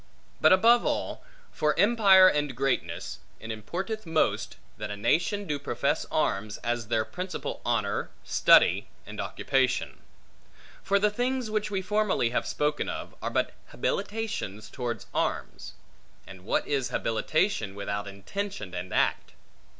But above all, for empire and greatness, it importeth most, that a nation do profess arms, as their principal honor, study, and occupation. For the things which we formerly have spoken of, are but habilitations towards arms; and what is habilitation without intention and act?